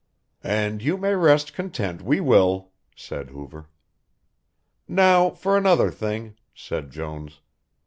"And you may rest content we will," said Hoover. "Now for another thing," said Jones.